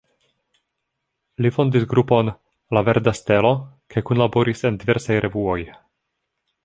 Li fondis grupon la „Verda Stelo“ kaj kunlaboris en diversaj revuoj.